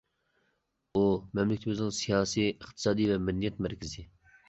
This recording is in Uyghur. ئۇ مەملىكىتىمىزنىڭ سىياسىي، ئىقتىسادىي ۋە مەدەنىيەت مەركىزى.